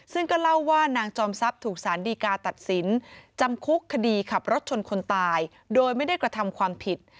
ซึ่งก็เล่าว่านางจอมทรัพย์ถูกสารดีกาตัดสินจำคุกคดีขับรถชนคนตายโดยไม่ได้กระทำความผิด